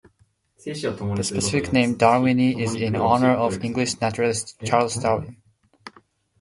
The specific name, "darwini", is in honor of English naturalist Charles Darwin.